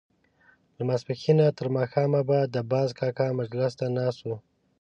له ماسپښينه تر ماښامه به د باز کاکا مجلس ته ناست وو.